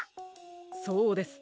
そうです。